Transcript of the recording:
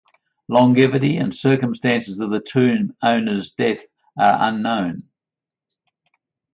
Longevity and circumstances of the tomb owners' deaths are unknown.